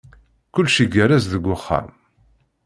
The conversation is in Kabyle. Kullec igerrez deg uxxam.